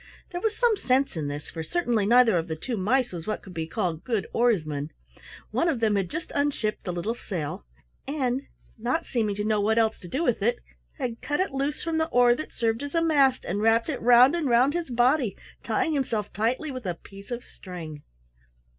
There was some sense in this, for certainly neither of the two mice was what could be called good oarsmen. One of them had just unshipped the little sail, and not seeming to know what else to do with it had cut it loose from the oar that served as a mast and wrapped it round and round his body, tying himself tightly with a piece of string.